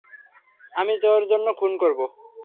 আমি তোর জন্য খুনও করবো।